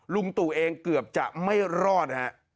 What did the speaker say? ลุงตุเองเกือบจะไม่รอด